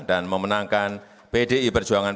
dan memenangkan pdi perjuangan